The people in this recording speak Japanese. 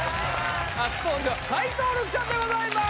初登場斎藤瑠希さんでございます